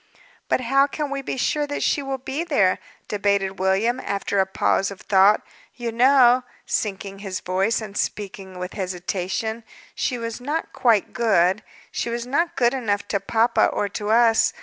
"But how can we be sure that she will be there?" debated William, after a pause of thought. "You know" sinking his voice, and speaking with hesitation "she was not quite good; she was not good enough to papa or to us.